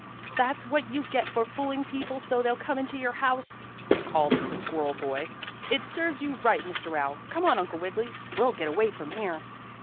"That's what you get for fooling people so they'll come into your house," called the squirrel boy. "It serves you right, Mr. Owl. Come on, Uncle Wiggily, we'll get away from here."